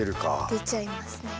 出ちゃいますね。